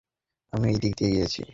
আমি এই দিকে গিয়ে দেখছি।